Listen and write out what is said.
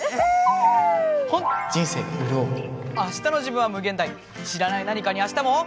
あしたの自分は無限大知らない何かにあしたも。